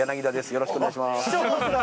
よろしくお願いします。